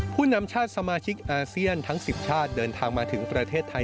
ผู้นำชาติสมาชิกอาเซียนทั้ง๑๐ชาติเดินทางมาถึงประเทศไทย